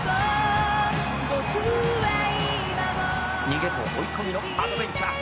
「逃げと追い込みのアドベンチャーか」